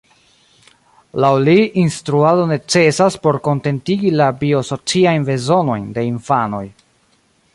Laŭ li instruado necesas por kontentigi la 'bio-sociajn bezonojn' de infanoj.